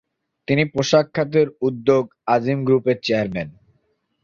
তিনি পোশাক খাতের উদ্যোগ আজিম গ্রুপের চেয়ারম্যান।